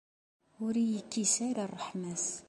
Ur iyi-yekkis ara ṛṛeḥma-s.